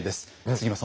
杉野さん